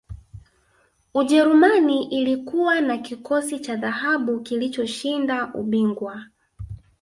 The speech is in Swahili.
ujerumani ilikuwa na kikosi cha dhahabu kilichoshinda ubingwa